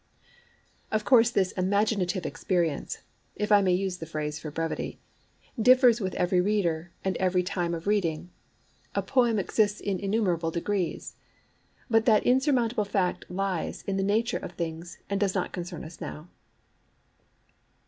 Of course this imaginative experience—if I may use the phrase for brevity—differs with every reader and every time of reading: a poem exists in innumerable degrees. But that insurmountable fact lies in the nature of things and does not concern us now.